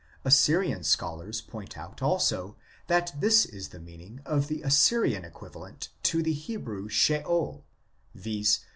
Assyrian scholars point out also that this is the meaning of the Assyrian equivalent to the Hebrew Sheol, viz.